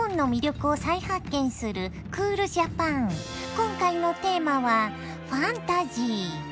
今回のテーマは「ファンタジー」。